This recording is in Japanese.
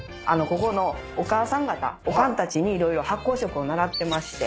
ここのお母さん方おかんたちに色々発酵食を習ってまして。